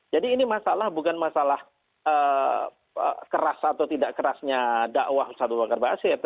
jadi ini masalah bukan masalah keras atau tidak kerasnya dakwah ustaz abu bakar bahasyir